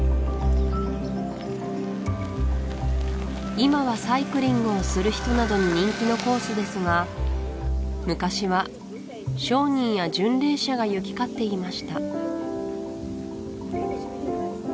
今はサイクリングをする人などに人気のコースですが昔は商人や巡礼者が行き交っていました